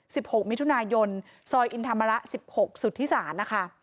สิบหกมิถุนายนซอยอินธรรมระสิบหกสุดที่สามนะคะ